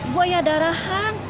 ibu ayah darahan